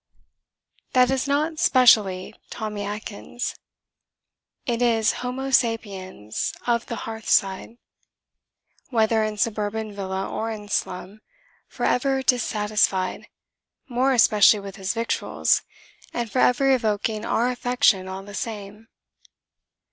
That is not specially Tommy Atkins; it is homo sapiens of the hearthside, whether in suburban villa or in slum, for ever dissatisfied (more especially with his victuals) and for ever evoking our affection all the same.